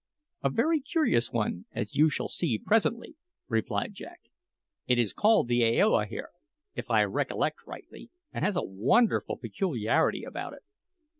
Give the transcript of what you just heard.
"A very curious one, as you shall see presently," replied Jack. "It is called the aoa here, if I recollect rightly, and has a wonderful peculiarity about it.